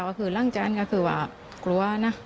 หลังจากนั้นก็คือว่ากลัวนะ